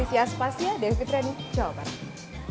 fisya spasya devi petrani jawa barat